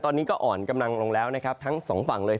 ตอนนี้ก็อ่อนกำลังลงแล้วนะครับทั้งสองฝั่งเลย